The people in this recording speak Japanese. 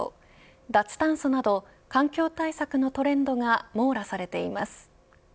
脱炭素など環境対策のトレンドが網羅されています。